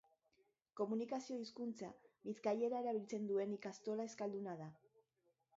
Komunikazio hizkuntza, bizkaiera erabiltzen duen ikastola euskalduna da.